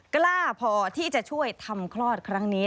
กล้าพอที่จะช่วยทำคลอดครั้งนี้